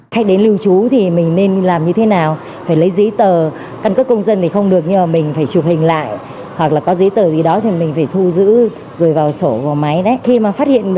khách đến lưu trú thì mình nên làm như thế nào phải lấy giấy tờ căn cấp công dân thì không được nhưng mà mình phải chụp hình lại hoặc là có giấy tờ gì đó thì mình phải thu giữ rồi vào sổ của máy đấy